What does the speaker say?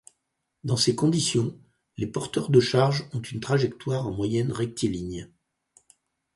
Dans ces conditions, les porteurs de charges ont une trajectoire en moyenne rectiligne.